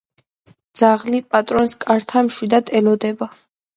ძაღლი პატრონს კართან მშვიდად ელოდებოდა.